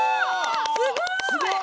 すごい！